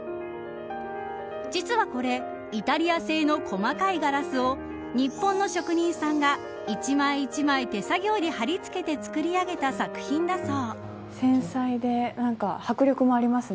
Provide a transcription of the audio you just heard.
実はこれイタリア製の細かいガラスを日本の職人さんが、一枚一枚手作業で貼り付けて作り上げた作品だそう。